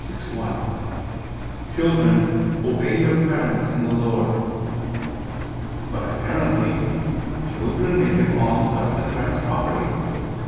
6:1): "Children, obey your parents in the Lord." But, apparently, children may give alms out of their parents' property.